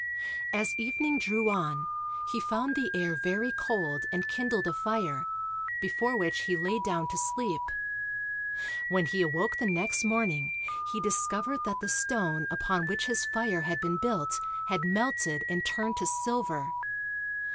As evening drew on, he found the air very cold and kindled a fire, before which he lay down to sleep. When he awoke the next morning he discovered that the stone upon which his fire had been built had melted and turned to silver.